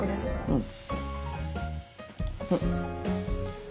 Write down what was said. うん。